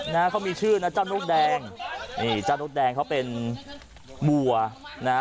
นะเขามีชื่อนะเจ้านกแดงนี่เจ้านกแดงเขาเป็นบัวนะฮะ